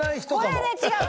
これね違う。